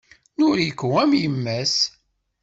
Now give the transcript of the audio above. Noriko am yemma-s.